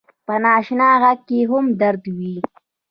په ناآشنا غږ کې هم درد وي